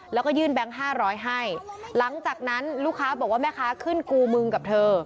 แล้วก็ยื่นแบงค์ห้าร้อยให้หลังจากนั้นลูกค้าบอกว่าแม่ค้าขึ้นกูมึงกับเธอ